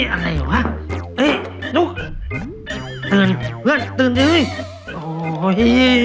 อะไรวะเนี้ยตื่นเพื่อนตื่นเอ้ย